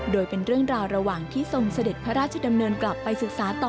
โดยเป็นเรื่องราวระหว่างที่ทรงเสด็จพระราชดำเนินกลับไปศึกษาต่อ